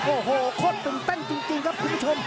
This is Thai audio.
โอ้โหคนตื่นเต้นจริงครับคุณผู้ชม